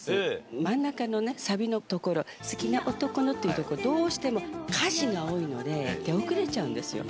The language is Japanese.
真ん中のね、サビのところ、好きな男のっていうところ、どうしても歌詞が多いので出遅れちゃうんですよ。